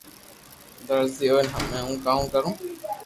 درزي ھوئين ھمو ھون ڪاوُ ڪرو